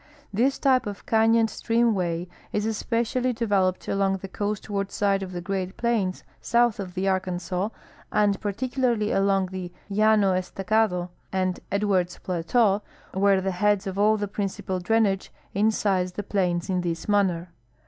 This type of canoned streamAvay is especially devel oped along the coastAvard side of the Great Plains south of the Arkansas, and particularh^ along the Llano Estacado and Ed wards plateau, Avhere the heads of all the principal drainage incise the plains in this manner.